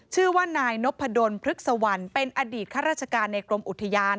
ชื่อว่านายนพดลพฤกษวรรณเป็นอดีตข้าราชการในกรมอุทยาน